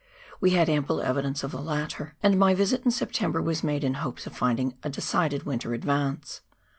We had ample evidence of the latter, and my visit in September was made in hopes of finding a decided winter advance.